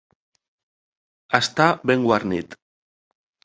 Estar ben guarnit.